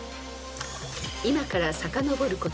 ［今からさかのぼること